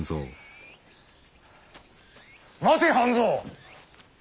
待て半蔵。